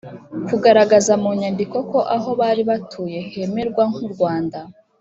kugaragaza mu nyandiko ko aho bari batuye hemerwa nk’u rwanda;